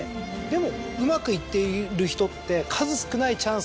でもうまくいってる人って数少ないチャンスを。